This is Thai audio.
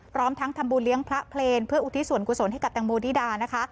พร้อมทั้งธรรมบุญเลี้ยงพระเพลญเพื่ออุทิศวรกุศลให้กับเต้งโมดีดา